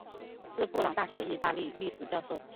是布朗大学意大利历史教授。